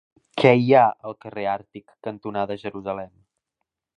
Què hi ha al carrer Àrtic cantonada Jerusalem?